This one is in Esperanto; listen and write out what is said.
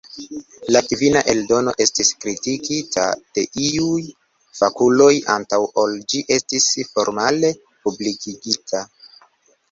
La kvina eldono estis kritikita de iuj fakuloj antaŭ ol ĝi estis formale publikigita.